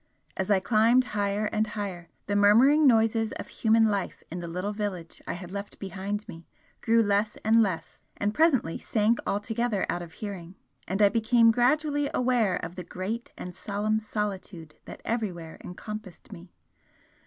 As I climbed higher and higher, the murmuring noises of human life in the little village I had left behind me grew less and less and presently sank altogether out of hearing, and I became gradually aware of the great and solemn solitude that everywhere encompassed me.